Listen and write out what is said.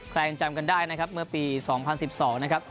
ยังจำกันได้นะครับเมื่อปี๒๐๑๒นะครับ